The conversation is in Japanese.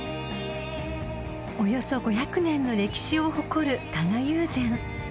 ［およそ５００年の歴史を誇る加賀友禅］